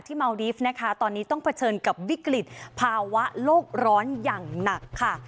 เมาดีฟนะคะตอนนี้ต้องเผชิญกับวิกฤตภาวะโลกร้อนอย่างหนักค่ะ